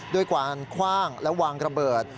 ด้วยการคว่างและวางระเบิด